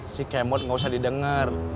si kemot nggak usah didengar